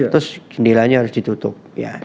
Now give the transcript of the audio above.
terus jendela nya harus ditutup